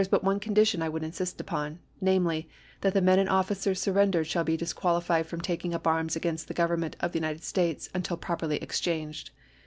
but one condition I would insist upon, namely, that the men and officers surrendered shall be disqualified from taking up arms again against the Government of the United States until properly exchanged.